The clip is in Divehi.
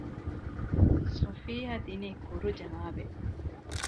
ޞަފިއްޔާ ދިނީ ކުރު ޖަވާބެއް